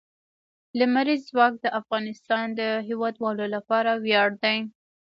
لمریز ځواک د افغانستان د هیوادوالو لپاره ویاړ دی.